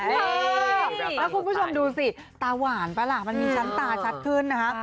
แล้วคุณผู้ชมดูสิตาหวานป่ะล่ะมันมีชั้นตาชัดขึ้นนะคะ